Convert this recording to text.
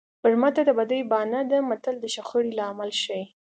برمته د بدۍ بانه ده متل د شخړې لامل ښيي